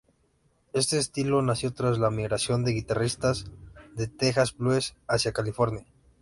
Este estilo nació tras la migración de guitarristas de Texas blues hacia California.